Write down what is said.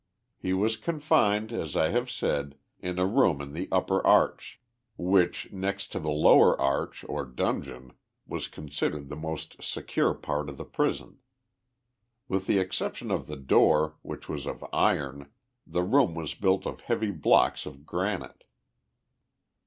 He was confined, as I have said, in a room in the upper arch, which next to the lower arch, or dungeon, was considered the most secure part of the prison. With the exception of the door, which was of iron, the room was built of heavy blocks of granite.